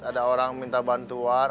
ada orang minta bantuan